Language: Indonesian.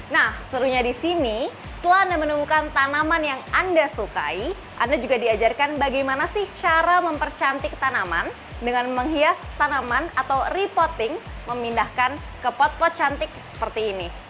nah serunya di sini setelah anda menemukan tanaman yang anda sukai anda juga diajarkan bagaimana sih cara mempercantik tanaman dengan menghias tanaman atau repotting memindahkan ke pot pot cantik seperti ini